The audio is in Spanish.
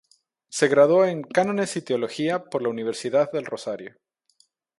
Se graduó en Cánones y Teología por la Universidad del Rosario.